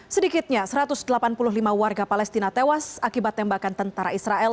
sedikitnya satu ratus delapan puluh lima warga palestina tewas akibat tembakan tentara israel